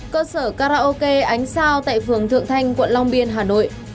cơ sở karaoke ánh sao tại phường thượng thanh quận long biên hà nội